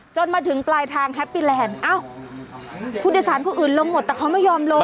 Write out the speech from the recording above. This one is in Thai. จนมาถึงปลายทางแฮปปี้แลนด์อ้าวผู้โดยสารคนอื่นลงหมดแต่เขาไม่ยอมลง